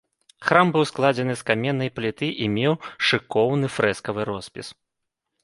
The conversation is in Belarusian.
Храм быў складзены з каменнай пліты і меў шыкоўны фрэскавы роспіс.